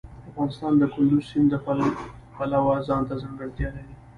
افغانستان د کندز سیند د پلوه ځانته ځانګړتیا لري.